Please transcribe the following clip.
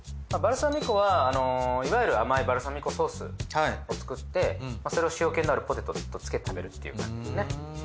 バルサミコはいわゆる甘いバルサミコソースを作ってそれを塩気のあるポテトにつけて食べるっていう感じですね。